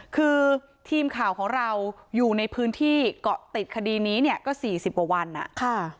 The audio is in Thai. คือทีมข่าวของเราอยู่ในพื้นที่เกาะติดคดีนี้เนี่ยก็๔๐กว่าวันอ่ะค่ะ